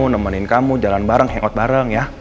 nemenin kamu jalan bareng hangout bareng ya